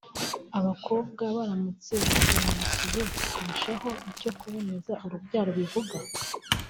Abakobwa baramutse basobanukiwe kurushaho icyo kuboneza urubyaro bivuga